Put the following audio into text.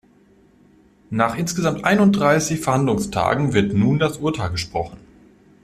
Nach insgesamt einunddreißig Verhandlungstagen wird nun das Urteil gesprochen.